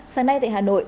sáng nay tại hà nội